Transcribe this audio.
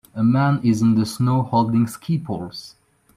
A man is in the snow holding ski poles